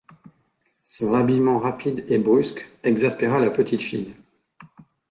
Ce rhabillement rapide et brusque exaspéra la petite fille.